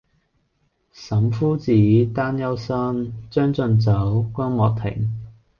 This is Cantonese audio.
岑夫子，丹丘生，將進酒，君莫停！